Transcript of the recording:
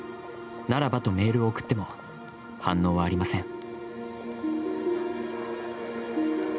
ならばとメールを送っても、反応はありません。